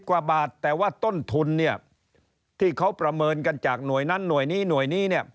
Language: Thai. กว่าบาทแต่ว่าต้นทุนเนี่ยที่เขาประเมินกันจากหน่วยนั้นหน่วยนี้หน่วยนี้เนี่ย